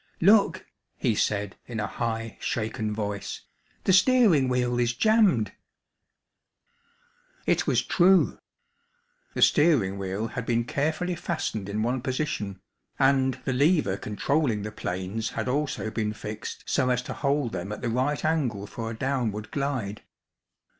"Look," he said in a high, shaken voice, "the steering wheel is jammed!" It was true. The steering wheel had been carefully fastened in one position, and the lever controlling the planes had also been fixed so as to hold them at the right angle for a downward glide.